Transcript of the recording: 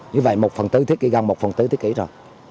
như vậy gần một phần bốn thế kỷ rồi